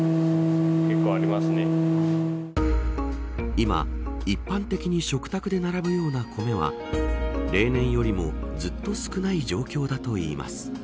今、一般的に食卓で並ぶようなコメは例年よりもずっと少ない状況だといいます。